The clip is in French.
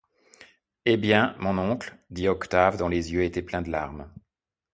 Eh! bien, mon oncle, dit Octave dont les yeux étaient pleins de larmes.